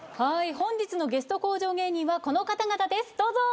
本日のゲスト向上芸人はこの方々ですどうぞ。